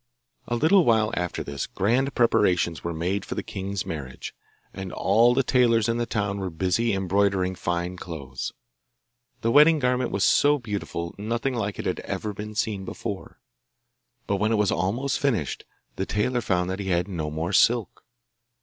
A little while after this grand preparations were made for the king's marriage, and all the tailors in the town were busy embroidering fine clothes. The wedding garment was so beautiful nothing like it had ever been seen before, but when it was almost finished the tailor found that he had no more silk.